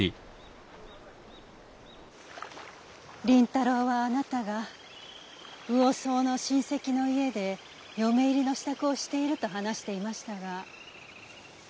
麟太郎はあなたが魚宗の親戚の家で嫁入りの支度をしていると話していましたが。